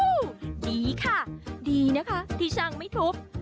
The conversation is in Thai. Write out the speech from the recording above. โอ้โหดีค่ะดีนะคะที่ช่างไม่ทุบ